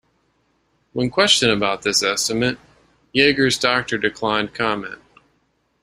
When questioned about this estimate, Yager's doctor declined comment.